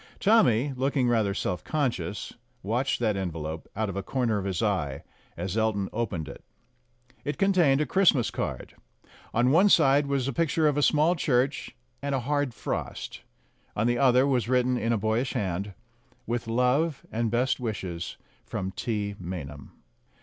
Tommy, looking rather self conscious, watched that envelope out of a corner of his eye as Elton opened it. It contained a Christmas card. On one side was a picture of a small church and a hard frost; on the other was written, in a boyish hand, "With love and best wishes from T. Maynham."